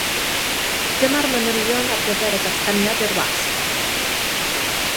Dyma'r manylion ar gyfer y datganiad i'r wasg.